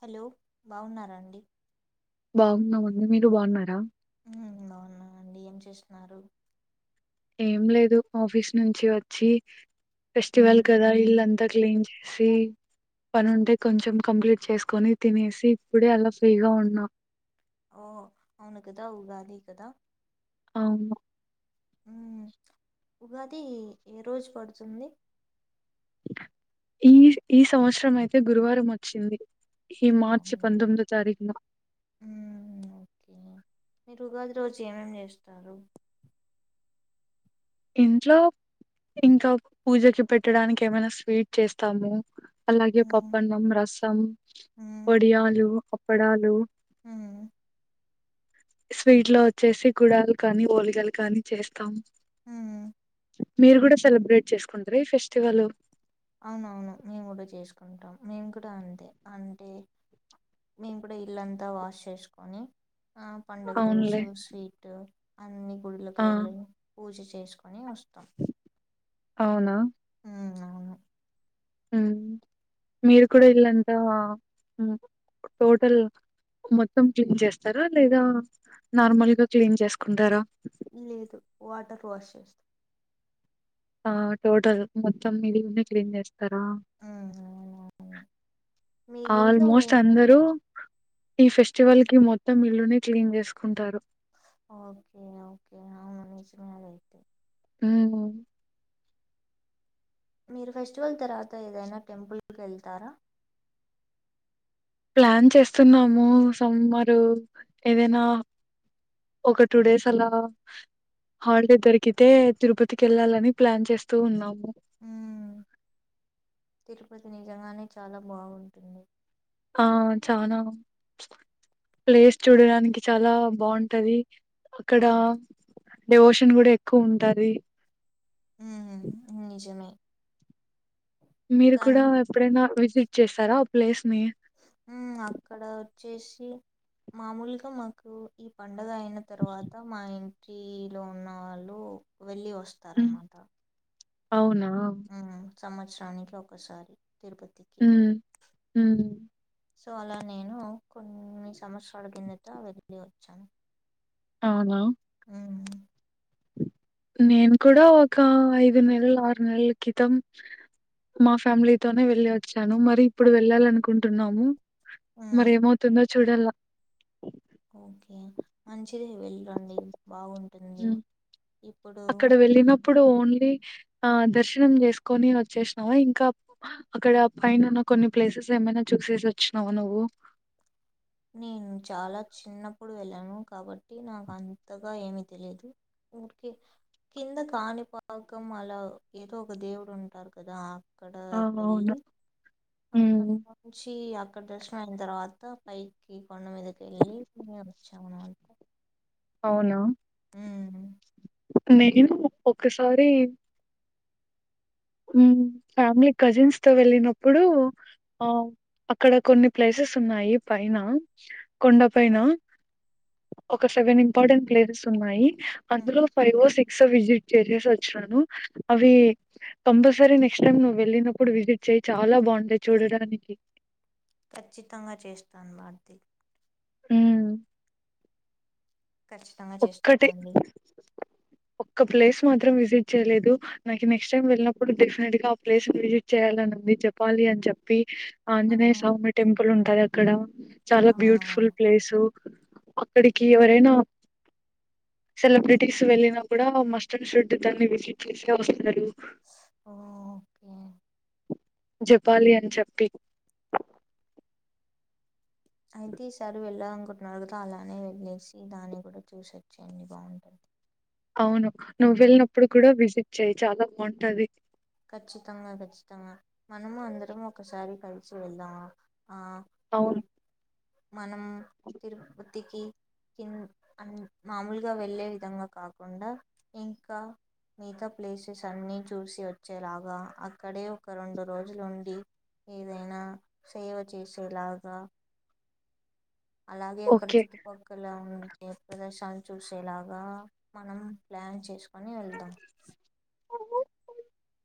Hello బాగున్నార అండి బాగున్నాామండి మీరు బాగున్నారా మ్మ్ బాగున్నాండి ఏం చేస్తున్నారు ఏం లేదు ఆఫీస్ నుంచి వచ్చి ఫెస్టివల్ కదా ఇల్లంతా క్లీన్ చేసి పని ఉంటే కొంచెం కంప్లీట్ చేసుకొని తినేసి ఇప్పుడే అలా ఫ్రీగా ఉన్నాం ఓ అవును కదా ఉగాది కదా అవును మ్మ్ ఉగాది ఏ రోజు పడుతుంది ఈ ఈ సంవత్సరం అయితే గురువారం వచ్చింది ఈ మార్చి అవును పందోమ్మిదో తారీఖున మ్మ్ ఓకే మీరు ఉగాది రోజు ఏమేమ్ చేస్తారు ఇంట్లో ఇంకా పూజకి పెట్టడానికి ఏమైనా స్వీట్ చేస్తాము అలాగే మ్మ్ పప్పన్నం రసం మ్మ్ వొడియాలు ప్ వాడలు మ్మ్ స్వీట్ లో వచ్చేసి గుడాలు కానీ వొలిగలు కానీ చేస్తాము మ్మ్ మీరు కూడా సెలబ్రేట్ చేసుకుంటర ఈ ఫెస్టివల్ అవునవును మేము కూడా చేసుకుంటాం మేము కూడా అంతే అంటే మేము కూడా ఇల్లంతా వాష్ చేసుకుని ఆ పండగ అవునులే రోజు స్వీట్ అన్నీ గుడిలకూ ఆ వెళ్ళి పూజ చేసుకొని వస్తాం అవున మ్మ్ అవును మీరు కూడ ఇళ్లంతా టోటల్ మొత్తం క్లీన్ చేస్తారా లేదా నార్మల్గా క్లీన్ చేసుకుంటారా లేదు వాటర్ వాష చేస్త ఆ టోటల్ మొత్తం ఇల్లంత క్లీన్ చేస్తాం మీ ఇంట్లో ఆల్మోస్ట్ ఏముంది అందరు ఈ ఫెస్టివల్ కి మొత్తం ఇల్లునీ క్లీన్ చేసుకుంటారు ఓకే ఓకే అవును నిజమే అయితే మ్మ్ హ్మ్ మీరు ఫెస్టివల్ తర్వాత ఏదైనా టెంపుల్కి వెళ్తార ప్లాన్ చేస్తున్నాము సమ్మురు ఏదైన ఒక టూ డేస్ అలా హాలిడే దొరికితే తిరుపతికి వెళ్ళాలని ప్లాన్ చేస్తూ ఉన్నాము మ్మ్ తిరుపతి నిజంగానె చాలా బాగుంటుంది ఆ చాన ప్లేస్ చూడడానికి చాలా బాగుంటది అక్కడ డెవోషన్ కూడా ఎక్కువ ఉంటది మ్మ్ నిజమే మీరు కూడా కానీ ఎప్పుడైనా విజిట్ చేశార ప్లేస్ ని? మ్మ్ అక్కడ వచ్చేసి సి మాములుగ మాకు ఈ ప పండుగ అయిన తర్వాత మా ఇ టీ లో ఉన్న వాళ్ళు వెళ్లి వస్త వస్తారన్నమాట అవున ఆ సంవత్సరానికి ఒకసారి తిరుపతికి హ్మ్. హ్మ్. సో అలా నేను కొన్ని సంవత్సరాల కిందట వెళ్ళి వచ్చాను అవునా నేను కూడా ఒక ఐదు నెలలు ఆరు నెలల క్రితం మా ఫ్యామిలీతోనే వెళ్ళి వచ్చాను మరి ఇప్పుడు వెళ్ళాలనుకుంటున్నాము హ్మ్ మరేమవుతుందొ చూడల్ల ఓకే మంచిదె వెళ్ళి రండి బాగుంటుంది ఇప్పుడు ఇప్పుడు ఓన్లీ ఆ దర్శనం చేసుకొని వచ్చేసినావా ఇంకా అక్కడ పైన ఉన్న కొన్ని ప్లేసెస్ ఏమైనా చూసేసి వచ్చినావా నువ్వు నేను చాలా చిన్నప్పుడు వెళ్ళాను కాబట్టి నాకు అంతగా ఏమి తెలిదు గుడికి కింద కాణిపాకం అలా ఏదో ఒక దేవుడు ఉంటారు కదా అక్కడ ఆ! అవును. వెళ్ళి అక్కడ హ్మ్. నుంచి అక్కడ దర్శ అయినా తర్వాత. పైకి కొండ మీదకి వెళ్ళి వచ్చాము అన్నమాట అవునా మ్మ్ నేను ఒక్కసారి ఫ్యామిలీ కజిన్స్ తో వెళ్ళినప్పుడు ఆ అక్కడ కొన్ని ప్లేసెస్ ఉన్నాయి పైన కొండ పైన ఒక సెవెన్ ఇంపార్టెంట్ ప్లేసెస్ ఉన్నాయి. హ్మ్ అందులో ఫైవ్ సిక్స్. సో విజిట్ చేసేసి వచ్చినాను అవి. కంపల్సరీ నెక్స్ట్ టైమ్ నువ్వు వెళ్ళినప్పుడు విజిట్ చెయ్య్ చాలా బాగుంటాది చూడానికి. ఖచ్చితంగా చేస్తాను వార్ది. హ్మ్. ఖచ్చితంగా ఒక్కటి చేస్థానండి. ఒక్క ప్లేస్ మాత్రం విజిట్ చేయలేదు నాకు నెక్స్ట్ టైం వెళ్ళినప్పుడు డెఫినెట్ గా ఆ ప్లేస్ విజిట్ చేయాలని ఉంది జపాలి అని చెప్పి. ఆహా ఆంజనేయస్వామి టెంపుల్. పుల్ ఉంటాది అక్కడ. చాలా ఆ బ్యూటిఫుల్ ప్లేసు. అక్కడికి ఎవరైనా. సెలబ్రిటీస్ వెళ్ళినా కూడా మస్టడ్ షట్ దాన్ని విజిట్ చేసే వస్తారు. హో కే. జపాలి అని చెప్పి. అయితే ఈ సారి వెళ్లా. కుంటున్నారు కదా అలానే వెళ్లేేసి దాన్ని కూడా చూసుచ్చేయండి బాగుంటది. అవును నువ్వు వెళ్ళినప్పుడు కూడా విజిట్ చెయ్య్ చాలా బాగుంటాది. ఖచ్చితంగా ఖచ్చితంగా మనము అందరము ఒకసారి కలిసి వెళ్దాము. అవును. మనం తిరుపతికి కింద మామూలుగా వెళ్ళే విధంగా కాకుండా ఇంకా మిగతా ప్లేసెస్ అన్ని చూసి వచ్చా. వచ్చేలాగా అక్కడే ఒక రెండు రోజులుండి ఏదైనా సేవ చేసేలాగా. అలాగే అక్కడ ఓకే చుట్టుపక్కల ఉన్ ఏ ప్రదేశాలు చూసేలాగా మనం ప్లాన్ చేసుకొని వెళ్దాం.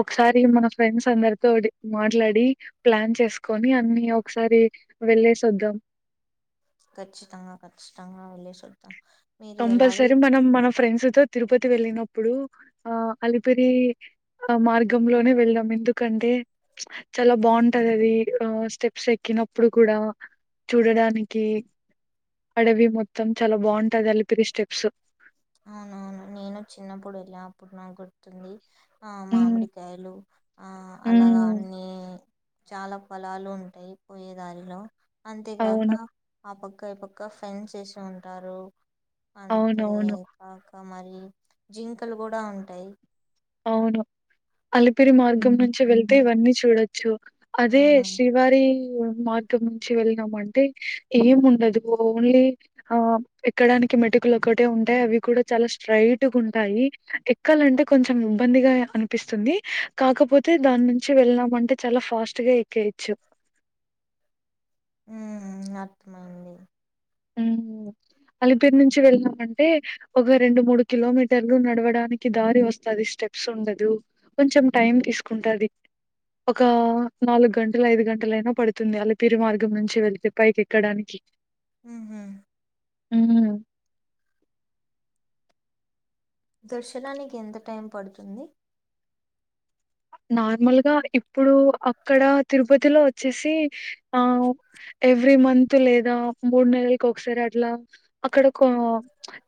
ఒకసారి మన ఫ్రెండ్స్ అందరితో మాట్లాడి ప్లాన్ చేసుకొని అన్ని ఒకసారి వెళ్లేేసి వద్దాం. ఖచ్చితంగా ఖచ్చితంగా వెళ్ళేసి వద్దాం. మీరు ఎలాగో కంపల్సరీ ఇప్- మనం మన ఫ్రెండ్స్ తో తిరుపతి వెళ్ళినప్పు ప్పుడు ఆ అలిపిరి మార్గంలోనే వెళ్ళాద్దాం ఎందుకంటే చాలా బాగుంటాది అది ఆ స్టెప్స్ ఎక్కినప్పుడు కూడా చూడడానికి అడవి మొత్తం చాలా బాగుంటాది అలి పిరి స్టెప్స్. అవునవును నేను చిన్నప్పుడు వెళ్ళా అప్పుడు నాకు గుర్తుంది. ఆ ఉమ్ మామిడికాయలు ఆ అలాగా ఉమ్ అన్ని. చాలా ఫలాలు ఉంటాయి పోయే దారిలో. అంతేకాక అవును ఆ పక్క. క పక్క ఫ్రెండ్స్ చేసి ఉంటారు. అంతే. అవునవును ఇంకా మరి జింకలు కూడా ఉంటాయి అవును అలిపిరి మార్గం నుంచి వెళ్తే ఇవన్నీ చూడొచ్చు అదే ఉమ్ శ్రీవారి మార్గం నుంచి వెళ్ళినాం అంటే ఏం ఉండదు ఓన్లీ ఆ ఎక్కడానికి మెటుకులు ఒకటే ఉంటాయి అవి కూడా చాలా స్ట్రైట్గా ఉంటాయి ఎక్కాలంటే కొంచెం చెం ఇబ్బందిగా అనిపిస్తుంది కాకపోతే దాని నుంచి వెళ్ళనాము అంటే చాలా ఫాస్ట్గా ఎక్కేయెచ్చు హు అర్థమైంది ఉ అలిపిరి నుంచి వెళ్ళామంటే ఒక రెండు మూడు కిలోమీటర్లు నడవడానికి దారి వస్తది స్టెప్స్ ఉండదు కొంచెం టైం తీసుకుంటది ఒక నాలుగు గంటలు ఐదు గంటలయినా పడుతుంది అలిపిరి మార్గం నుంచి వెళితే పైకి ఎక్కడానికి మ్ హు ఉ దర్శనానికి ఎంత టైం పడుతుంది నార్మల్గా ఇప్పుడు అక్కడ తిరుపతిలో వచ్చేసి అ ఉ ఎ త్రీ మంత్ లేదా మూడు నెలలకి ఒకసారి అట్లా అక్కడక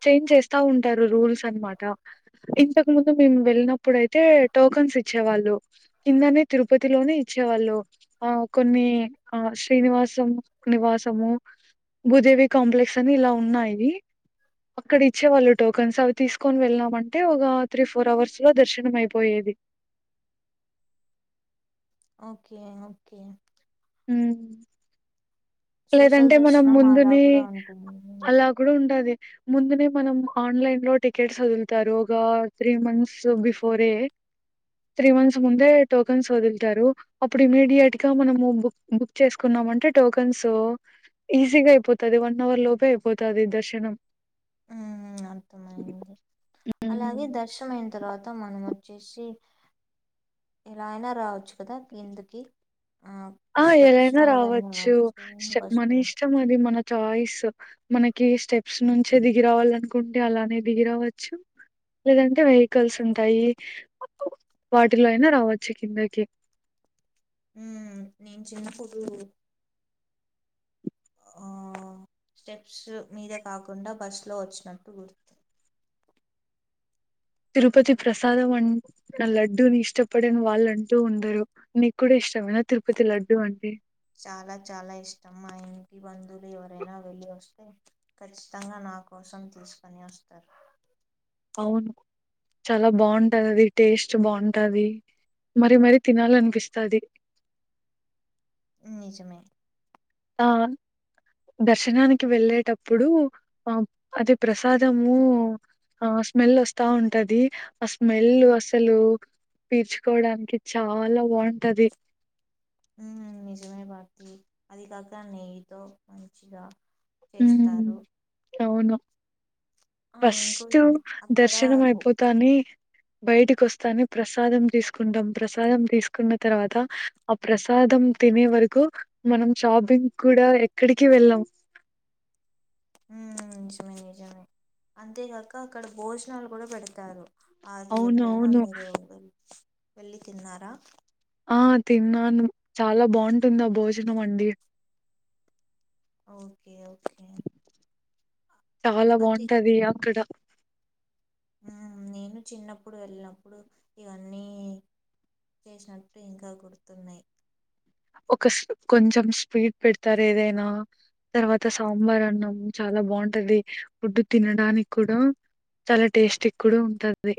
చేంజ్ చేస్తా ఉంటారు రూల్స్ అనమాట ఇంతకు ముందు మేము వెళ్ళినప్పుడుయితే టోకన్స్ ఇచ్చ ఇచ్చేవాళ్ళు కిందనే తిరుపతిలోనే ఇచ్చేవాళ్ళు ఆ కొన్ని ఆ శ్రీనివాసం నివాసము భూదేవి కాంప్లెక్స్ అని ఇలా ఉన్నాయి అక్కడ ఇచ్చేవాళ్ళు టోకన్స్ అవి తీసుకొని వెళ్ళామంటే ఒక త్రీ ఫోర్ అవర్స్ లో దర్శనం అయిపోయేది ఓకే ఓకే ఉ స్పెషల్ లేదంటే మనం దర్శనం అలా ముందుని కూడా ఉంటుంది. అలా కూడా ఉంటది ముందునే మనం ఆన్లైన్ లో టికెట్స్ వదులుతారు ఒక three months before three months ముందే టోకన్స్ వదులుతారు అప్పుడు ఇమీడియట్ గా మనము బుక్ చేసుకున్నామంటే టోకన్స్ తో ఈజీగా అయిపోతది వన్ అవర్ లోపే అయిపోతది దర్శనం ఉ అర్థమయింది ఉమ్ అలాగే దర్శనం అయిన తర్వాత మనం వచ్చేసి ఎలా అయినా రావచ్చు కదా కిందకి ఆ! ఆ స్టెప్స్ ఎలైనా మీదన్నా రావచ్చు స్టెప్ ఇ మన బస్‌లో ఇష్టం అది మన చాయిస్ మనకి స్టెప్స్ నుంచే దిగి రావాల అనుకుంటే అలానే దిగి రావచ్చు లేదంటే వె కల్సు ఉంటాయి వాటిలో అయినా రావచ్చు కిందకి ఉ నేను చిన్నపడు ఉ స్టెప్స్ మీద కాకుండా బస్ లో వచ్చినట్టు గుర్తు తిరుపతి ప్రసాదం అంట నా లడ్డూని ఇష్టపడిన వాళ్ళు అంటూ ఉండరు నీకు కూడా ఇష్టమేన తిరుపతి లడ్డు అంటే చాలా చాలా ఇష్టం మా ఇంటి బంధువులు ఎవరైనా వెళ్లి వస్తే ఖచ్చితంగా నా కోసం తీసుకుని వస్తారు అవును చాలా బాగుంటది అది టేస్ట్ బాగుంటది మరి మరీ తినాల అనిపిస్తది నిజమే ఆ దర్శనానికి వెళ్ళేటప్పుడు ఆ అది ప్రసాదము ఆ స్మెల్ వస్తా ఉంటది ఆ స్మెల్ అసలు పీర్చుకోవడానికి చాలా బాగుంటది ఉ నిజమే భారతి అది కాక నెయ్యితో మంచిగా చేస్తారు ఆ! ఇంకో ఫస్ట్ విషయం అక్కడ దర్శనం బొ అయిపోతానే బయటికి వస్తానే ప్రసా ప్రసాదం తీసుకుంటాం ప్రసాదం తీసుకున్న తర్వాత ఆ ప్రసాదం తినే వరకు మనం షాపింగ్ కూడా ఎక్కడికి వెళ్ళాం ఉ నిజమే నిజమే అంతేకాక అక్కడ భోజనాలు కూడా పెడతారు అది ఎప్పుడైనా అవునవును. మీరు వెళ్ళి తిన్నారా ఆ తిన్నాను చాలా బాగుంటుంది ఆ భోజనం అండి ఓకే ఓకే చాలా అంతే బాగుంటది అక్కడ నేను చిన్నప్పుడు వెళ్ళినప్పుడు ఇవన్నీ చేసినట్టు ఇంకా గుర్తున్నాయి ఒక కొంచెం స్పీడ్ పెడతారు ఏదైనా తర్వాత సాంబార్ అన్నం చాలా బాగుంటది ఫుడ్డు తినడానికి కూడా చాలా టేస్ట్ కూడా ఉంటది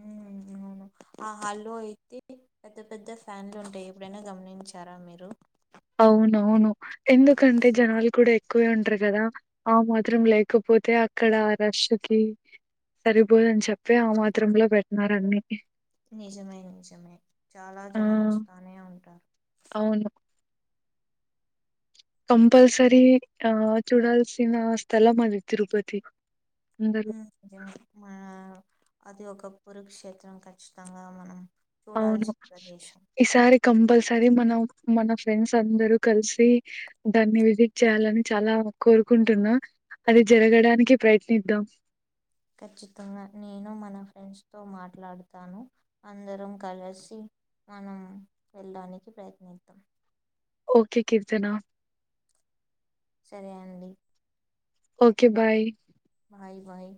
అవును ఆ హాల్లో అయితే పెద్ద పెద్ద ఫ్యాన్లు ఉంటాయి ఎప్పుడైనా గమనించారా మీరు అవునవును ఎందుకంటే జనాలు కూడా ఎక్కువే ఉంటారు కదా ఆ మాత్రం లేకపోతే అక్కడ రష్కి సరిపోదని చెప్పి ఆ మాత్ర లో పెట్నార అన్ని నిజమే నిజమే చాలా ఆ! జనం వస్తానే ఉంటారు అవును. కంపల్సరి ఆ చూడాల్సిన స్థలం అది తిరుపతి అందరూ. జనం అది ఒక పురుక్షేత్రం ఖచ్చితంగా మనం అవును చూడాల్సిన ప్రదేశం ఈసారి కంపల్స సరీ మనం మన ఫ్రెండ్స్ అందరూ కలిసి దాన్ని విజిట్ చేయాలని చాలా కోరుకుంటున్నా అది జరగడానికి ప్రయత్నిద్దాం ఖచ్చితంగా నేను మన ఫ్రెండ్స్తో మాట్లాడుతాను అందరం కలిసి మనం వెళ్ళడానికి ప్రయత్నిద్దాం ఓకే కీర్తనా సరే అండి ఓకే బాయ్ బాయ్ బాయ్